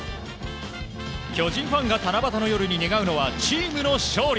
巨人ファンが七夕の夜に願うのはチームの勝利。